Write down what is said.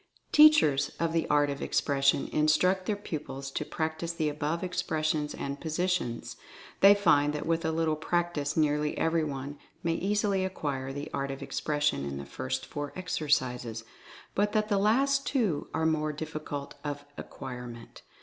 Teachers of the Art of Expression instruct their pupils to practice the above expressions and positions. They find that with a little practice nearly every one may easily acquire the art of expression in the first four exercises, but that the last two are more difficult of acquirement.